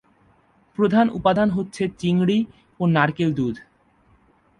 প্রধান উপাদান হচ্ছে চিংড়ি ও নারকেল দুধ।